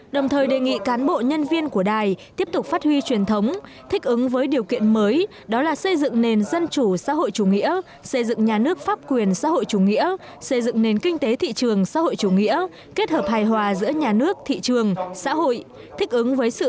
đồng thời đề nghị cán bộ nhân viên của đài tiếp tục phát huy truyền thống thích ứng với điều kiện mới đó là xây dựng nền dân chủ xã hội chủ nghĩa xây dựng nhà nước pháp quyền xã hội chủ nghĩa xây dựng nền kinh tế thị trường xã hội chủ nghĩa kết hợp hài hòa giữa nhà nước thị trường xã hội